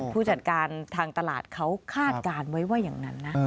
ผู้จัดการทางตลาดเขาคาดการณ์ไว้ว่าอย่างนั้นนะ